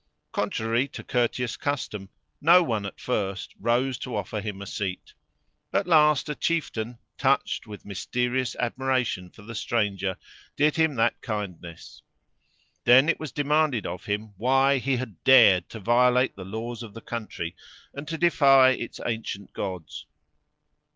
Contrary to courteous custom no one at first rose to offer him a seat. At last a chieftain, touched with mysterious admiration for the stranger, did him that kindness. Then it was demanded of him, why he had dared to violate the laws of the country, and to defy its ancient gods.